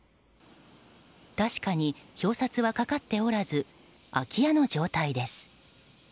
確かに表札はかかっておらず空き家の状態です。